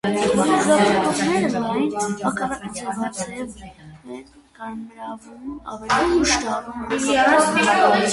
Կորիզապտուղները լայն, հակառակ ձվաձև են, կարմրավուն, ավելի ուշ դառնում են կապտավուն։